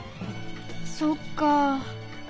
そっかあ。